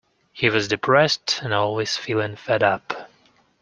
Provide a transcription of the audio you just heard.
He was depressed, and was always feeling fed up.